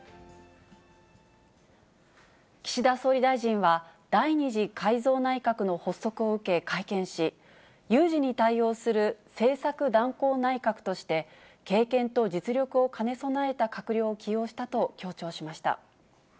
岸田総理大臣は、第２次改造内閣の発足を受け、会見し、有事に対応する政策断行内閣として、経験と実力を兼ね備えた閣僚を起用したと強調しました。